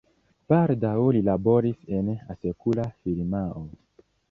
Baldaŭ li laboris en asekura firmao.